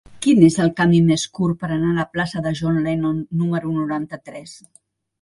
Quin és el camí més curt per anar a la plaça de John Lennon número noranta-tres?